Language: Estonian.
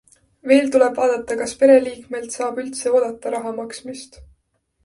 Veel tuleb vaadata, kas pereliikmelt saab üldse oodata raha maksmist.